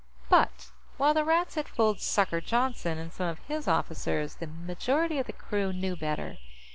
But, while the Rats had fooled "Sucker" Johnston and some of his officers, the majority of the crew knew better.